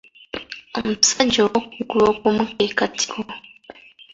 Omusajja ow’okugulu okumu ke katiko.